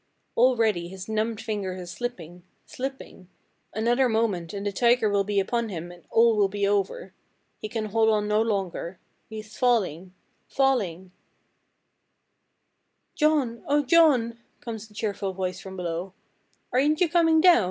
Already his numbed fingers are slipping slipping another moment and the tiger will be upon him and all will be over. He can hold on no longer. He is falling falling "'John! Oh, John!' comes a cheerful voice from below. 'Aren't you coming down?